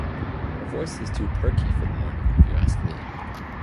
Her voice is too perky for the morning, if you ask me.